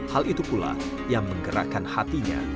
hal itu pula yang menggerakkan hatinya